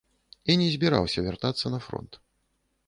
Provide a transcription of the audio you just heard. І не збіраўся вяртацца на фронт.